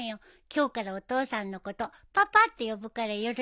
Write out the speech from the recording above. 今日からお父さんのことパパって呼ぶからよろしくね。